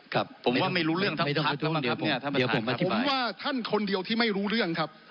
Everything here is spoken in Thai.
ครับไม่ต้องประท้วงเดี๋ยวผมผมว่าท่านคนเดียวที่ไม่รู้เรื่องครับ